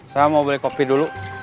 saya mau beli kopi dulu